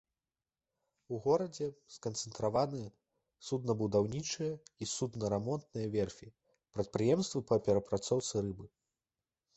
У горадзе сканцэнтраваны суднабудаўнічыя і судна рамонтныя верфі, прадпрыемствы па перапрацоўцы рыбы.